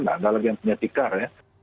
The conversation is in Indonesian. nah ada lagi yang punya tikar ya